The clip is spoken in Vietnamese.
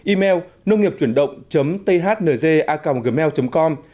email nông nghiệpchuyểnđộng thnza gmail com